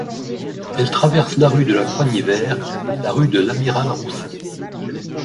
Elle traverse la rue de la Croix-Nivert et la rue de l'Amiral-Roussin.